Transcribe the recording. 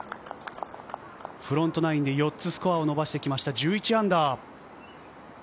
フロントナインで４つスコアを伸ばしてきました、−１１。